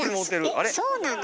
えそうなの？